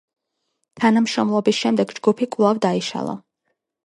თანამშრომლობის შემდეგ ჯგუფი კვლავ დაიშალა.